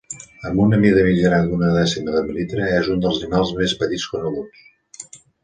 Amb una mida mitjana d'una dècima de mil·límetre és un dels animals més petits coneguts.